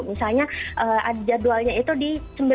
misalnya jadwalnya itu di